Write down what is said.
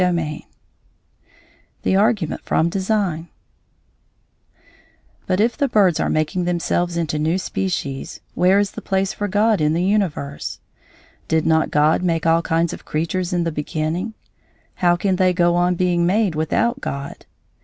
XVI THE ARGUMENT FROM DESIGN But if the birds are making themselves into new species, where is the place for God in the universe? Did not God make all kinds of creatures in the beginning? How can they go on being made without God?